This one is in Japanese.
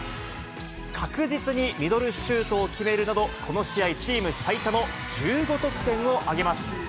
確実にミドルシュートを決めるなど、この試合、チーム最多の１５得点を挙げます。